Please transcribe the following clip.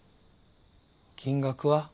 金額は？